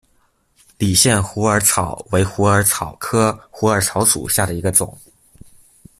理县虎耳草为虎耳草科虎耳草属下的一个种。